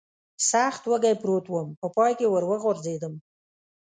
سخت وږی پروت ووم، په پای کې ور وغورځېدم.